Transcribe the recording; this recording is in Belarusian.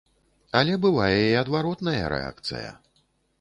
Але бывае і адваротная рэакцыя.